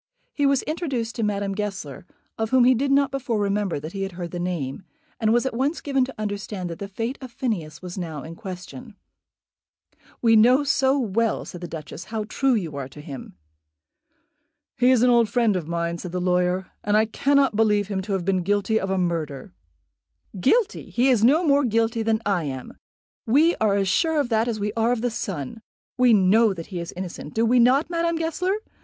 He was introduced to Madame Goesler, of whom he did not before remember that he had heard the name, and was at once given to understand that the fate of Phineas was now in question. "We know so well," said the Duchess, "how true you are to him." "He is an old friend of mine," said the lawyer, "and I cannot believe him to have been guilty of a murder." "Guilty! he is no more guilty than I am. We are as sure of that as we are of the sun. We know that he is innocent; do we not, Madame Goesler?